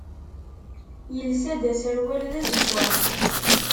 Yelsa-d aserwal d azeggaɣ.